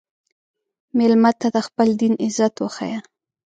مېلمه ته د خپل دین عزت وښیه.